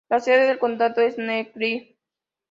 La sede del condado es Newkirk.